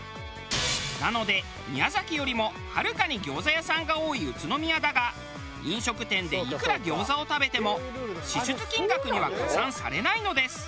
なので宮崎よりもはるかに餃子屋さんが多い宇都宮だが飲食店でいくら餃子を食べても支出金額には加算されないのです。